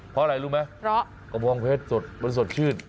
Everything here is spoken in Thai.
เพราะอะไรรู้ไหมกระบองเพชรสดชื่น